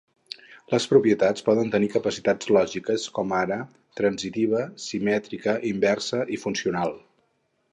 Les propietats poden tenir capacitats lògiques com ara transitiva, simètrica, inversa i funcional.